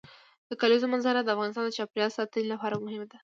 د کلیزو منظره د افغانستان د چاپیریال ساتنې لپاره مهم دي.